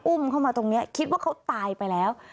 เข้ามาตรงนี้คิดว่าเขาตายไปแล้ว